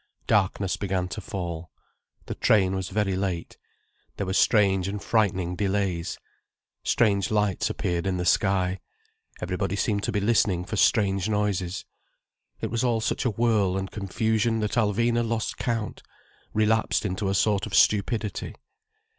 Darkness began to fall. The train was very late. There were strange and frightening delays. Strange lights appeared in the sky, everybody seemed to be listening for strange noises. It was all such a whirl and confusion that Alvina lost count, relapsed into a sort of stupidity.